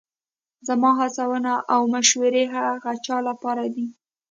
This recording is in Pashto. زما هڅونه او مشورې هغه چا لپاره دي